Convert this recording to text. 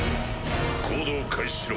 行動を開始しろ。